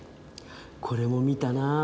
これも見たなあ